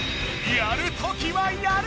やるときはやる！